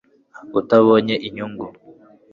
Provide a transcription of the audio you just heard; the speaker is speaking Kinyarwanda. utabonye inyungu